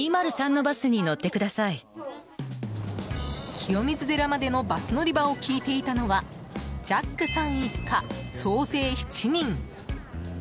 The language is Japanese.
清水寺までのバス乗り場を聞いていたのはジャックさん一家、総勢７人。